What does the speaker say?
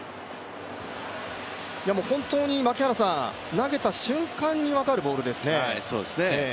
投げた瞬間に分かるボールですね。